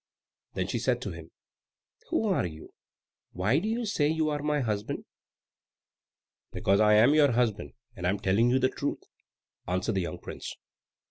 Then she said to him, "Who are you? Why do you say you are my husband?" "Because I am your husband. I am telling you the truth," answered the young prince.